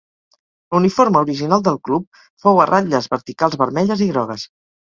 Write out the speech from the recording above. L'uniforme original del club fou a ratlles verticals vermelles i grogues.